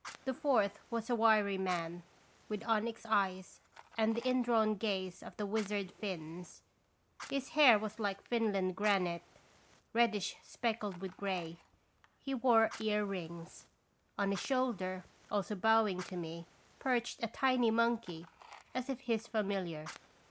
The fourth was a wiry man, with onyx eyes and the indrawn gaze of the wizard Finns; his hair was like Finland granite, reddish speckled with gray; he wore ear rings. On his shoulder, also bowing to me, perched a tiny monkey, as if his familiar.